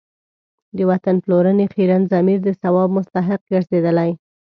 د وطن پلورنې خیرن ضمیر د ثواب مستحق ګرځېدلی.